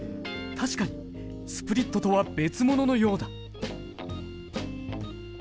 確かに、スプリットとは別物のようだ。